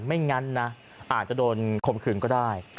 ไม่งั้นอาจจะโดนข่มขึนก็ได้